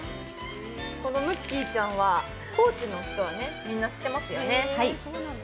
このムッキーちゃん、高知の人はみんな知ってると思います。